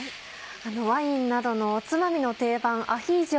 ワインなどのおつまみの定番アヒージョ。